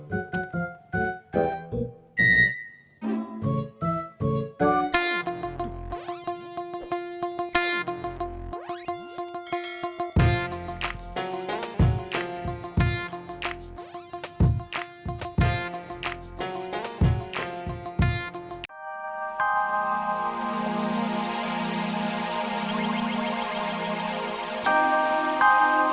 gak ada kemana ya